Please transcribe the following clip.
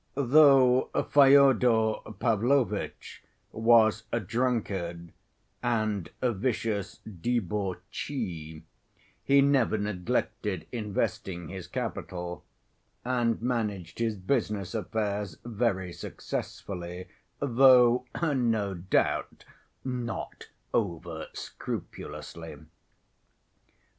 Though Fyodor Pavlovitch was a drunkard and a vicious debauchee he never neglected investing his capital, and managed his business affairs very successfully, though, no doubt, not over‐ scrupulously.